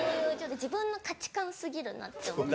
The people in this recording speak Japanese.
自分の価値観過ぎるなって思って。